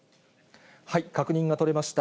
確認が取れました。